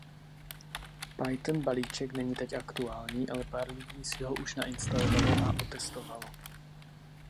Python balíček není teď aktuální, ale pár lidí si ho už nainstalovalo a otestovalo.